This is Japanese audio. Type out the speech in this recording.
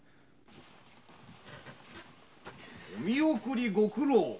見送りご苦労。